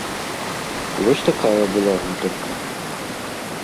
Вось такая была гутарка.